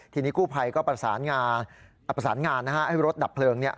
ทีนี้กู้ภัยก็ประสานงานนะฮะให้รถดับเพลิง